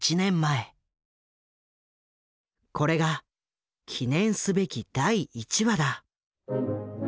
これが記念すべき第１話だ。